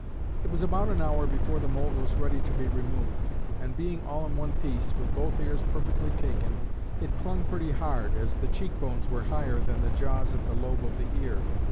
It was about an hour before the mould was ready to be removed, and being all in one piece, with both ears perfectly taken, it clung pretty hard, as the cheek bones were higher than the jaws at the lobe of the ear.